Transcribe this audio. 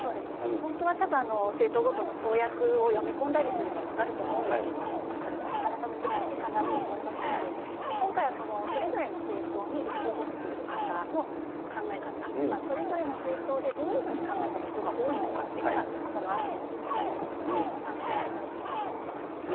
本当はたぶん、政党ごとの公約とかを読み込んだりすれば分かると思うんですけれども、それもなかなか難しいかなと思いますので、今回はそのそれぞれの政党に立候補している方の考え方、それぞれの政党でどういうふうに考えている人が多いのかっていうのがこのアンケートで分かりますので、参考にしてほしいなと思います。